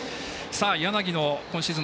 柳の今シーズン